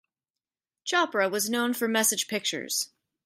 Chopra was known for message pictures.